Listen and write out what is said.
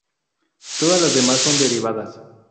Todas las demás son derivadas.